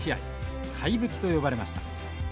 怪物と呼ばれました。